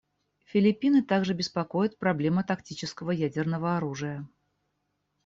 Филиппины также беспокоит проблема тактического ядерного оружия.